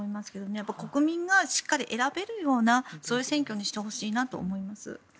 やっぱり国民がしっかり選べるようなそういう選挙にしてほしいなと思います。